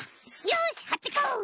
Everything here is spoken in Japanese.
よしはってこう！